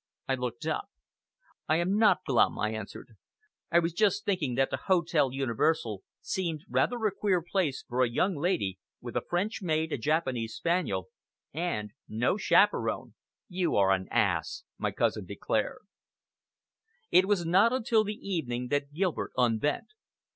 I looked up. "I am not glum," I answered. "I was just thinking that the Hotel Universal seemed rather a queer place for a young lady with a French maid, a Japanese spaniel, and no chaperon." "You are an ass!" my cousin declared. It was not until the evening that Gilbert unbent.